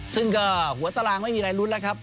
ซึ่งก็หัวตารางไม่มีใดลุ้นนะครับ